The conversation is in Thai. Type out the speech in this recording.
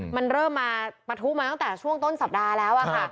มันเริ่มมาปะทุมาตั้งแต่ช่วงต้นสัปดาห์แล้วค่ะ